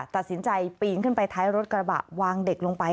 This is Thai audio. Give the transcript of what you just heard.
ตัดสินใจปีนขึ้นไปท้ายรถกระบะวางเด็กลงไป